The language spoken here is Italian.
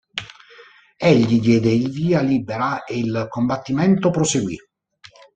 Egli diede il via libera e il combattimento proseguì.